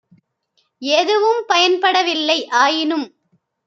எதுவும் பயன்பட வில்லை ஆயினும்